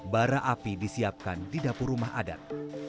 bara api disiapkan di dapur rumah adat